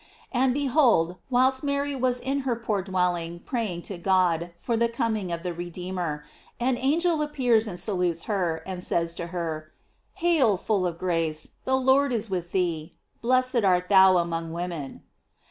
And behold, whilst Mary was in her poor dwelling praying to God for the coming of the Redeemer, an angel appears and salutes her, and says to her: "Hail full of grace, the Lord is with thee ; blessed art thou among women."